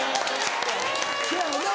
せやよな。